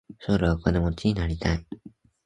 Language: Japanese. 将来お金持ちになりたい。